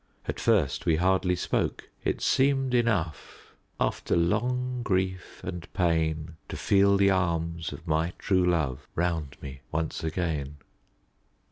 At first we hardly spoke. It seemed enough "... after long grief and pain, To feel the arms of my true love Round me once again."